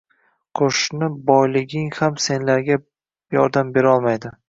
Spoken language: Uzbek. Qoʻshni boyliging ham senlarga yordam berolmaydi.